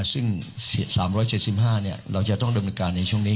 ซึ่ง๓๗๕เราจะต้องดำเนินการในช่วงนี้